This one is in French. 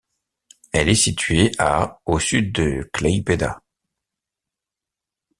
Elle est située à au sud de Klaipėda.